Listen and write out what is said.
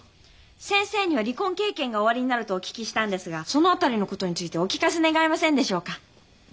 先生には離婚経験がおありになるとお聞きしたんですがその辺りのことについてお聞かせ願えませんでしょうか？